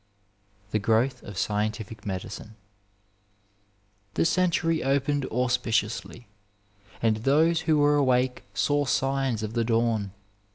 THE GROWTH OF SCIENTIFIC MEDICINE The century opened auspiciously, and those who were awake saw signs of the dawn.